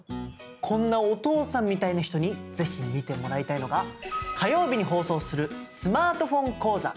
こんなお父さんみたいな人に是非見てもらいたいのが火曜日に放送するスマートフォン講座。